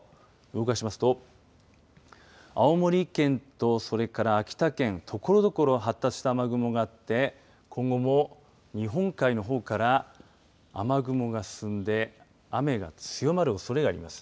動かしますと青森県と、それから秋田県所々、発達した雨雲があって今後も日本海のほうから雨雲が進んで雨が強まるおそれがあります。